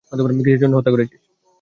কিসের জন্য হত্যা করেছিস?